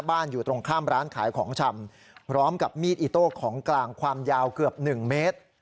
อยู่ตรงข้ามร้านขายของชำพร้อมกับมีดอิโต้ของกลางความยาวเกือบ๑เมตร